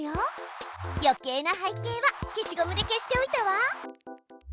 よけいな背景は消しゴムで消しておいたわ。